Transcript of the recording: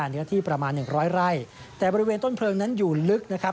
เนื้อที่ประมาณหนึ่งร้อยไร่แต่บริเวณต้นเพลิงนั้นอยู่ลึกนะครับ